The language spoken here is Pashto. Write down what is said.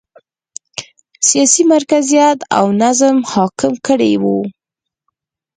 سیاسي مرکزیت او نظم حاکم کړی و.